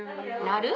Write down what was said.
なる？